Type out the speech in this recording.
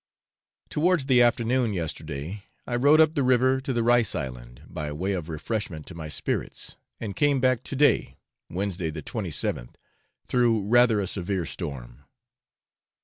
Towards the afternoon yesterday, I rowed up the river to the rice island, by way of refreshment to my spirits, and came back to day, Wednesday the 27th, through rather a severe storm.